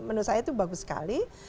menurut saya itu bagus sekali